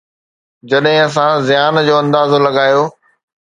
جڏهن اسان زيان جو اندازو لڳايو.